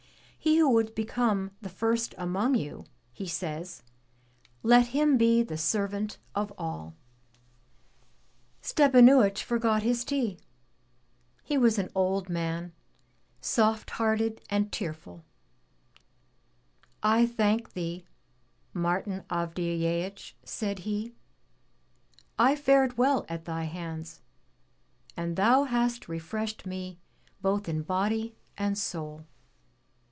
'He who would become the first among you,' he says, 'let him be the servant of all.' " Stepanuich forgot his tea. He was an old man, soft hearted and tearful. He sat and listened and the tears rolled down his cheeks. "I thank thee, Martin Avdyeeich," sajid he. "I fared well at thy hands, and thou hast refreshed me both in body and soul."